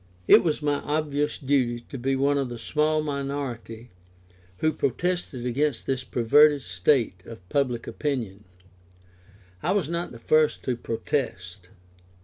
It was my obvious duty to be one of the small minority who protested against this perverted state of public opinion. I was not the first to protest.